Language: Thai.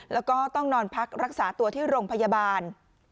แล้วก็ต้องนอนพักรักษาตัวที่โรงพยาบาล